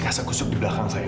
kasak kusuk di belakang saya